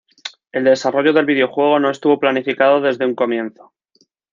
El desarrollo del videojuego no estuvo planificado desde un comienzo.